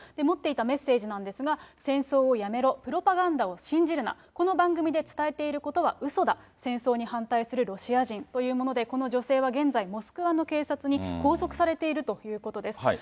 持っていたメッセージなんですが、戦争をやめろ、プロパガンダを信じるな、この番組で伝えていることはうそだ、戦争に反対するロシア人というもので、この女性は現在、モスクワの警察に拘束されているということです。